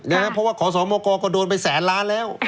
อย่างนั้นเพราะว่าขอสอมโมกรก็โดนไปแสนล้านแล้ว